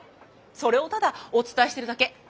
それをただお伝えしてるだけ。